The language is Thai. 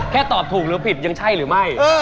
ตอบถูกหรือผิดยังใช่หรือไม่